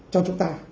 cho chúng ta